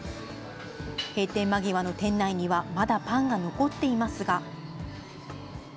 閉店間際の店内にはまだパンが残っていますが。